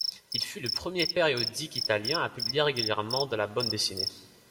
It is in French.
Il fut le premier périodique italien à publier régulièrement de la bande dessinée.